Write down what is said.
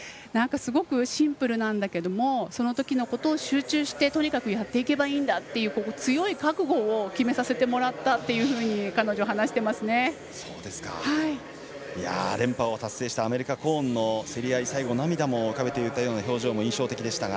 すごく、シンプルなんだけどもそのときのことを集中してやっていけばいいんだという強い覚悟を決めさせてもらったと連覇を達成したアメリカ、コーンの競り合い最後、涙を浮かべていた表情も印象的でしたが。